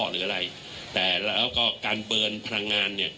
หรืออะไรแต่แล้วก็การเบิร์นพลังงานเนี่ย